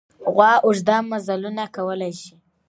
غوا اوږده مزلونه کولی شي.